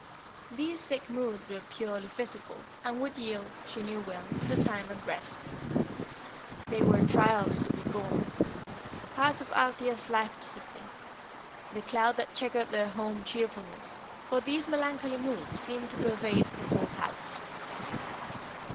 These sick moods were purely physical, and would yield, she knew well, to time and rest. They were trials to be borne part of Althea's life discipline the cloud that checkered their home cheerfulness; for these melancholy moods seemed to pervade the whole house.